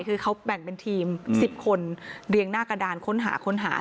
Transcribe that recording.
คือเขาแบ่งเป็นทีม๑๐คนเรียงหน้ากระดานค้นหาค้นหา